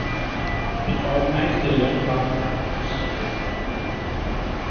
It organized the young party members.